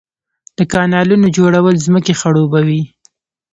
د کانالونو جوړول ځمکې خړوبوي.